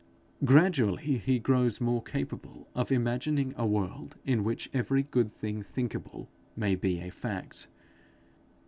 Gradually he grows more capable of imagining a world in which every good thing thinkable may be a fact.